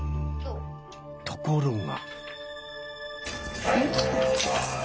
ところが。